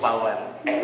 padaun wybara gatil